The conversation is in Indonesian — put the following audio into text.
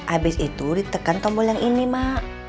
abis itu ditekan tombol yang ini mak